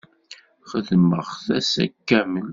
Xedmeɣ-t ass kamel.